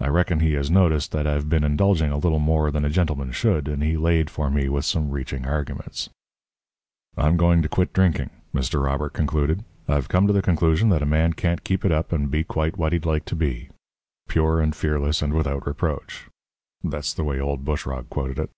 I reckon he has noticed that I've been indulging a little more than a gentleman should, and he laid for me with some reaching arguments. "I'm going to quit drinking," Mr. Robert concluded. "I've come to the conclusion that a man can't keep it up and be quite what he'd like to be 'pure and fearless and without reproach' that's the way old Bushrod quoted it."